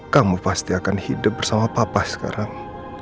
kamu pasti akan hidup bersama papa sekarang